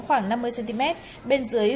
khoảng năm mươi cm bên dưới